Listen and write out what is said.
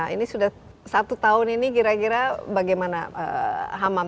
ini sudah satu tahun ini kira kira bagaimana hamam